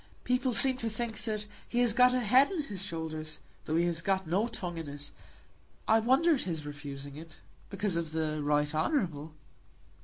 "People seem to think that he has got a head on his shoulders, though he has got no tongue in it. I wonder at his refusing it because of the Right Honourable."